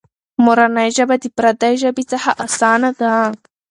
مورنۍ ژبه د پردۍ ژبې څخه اسانه ده.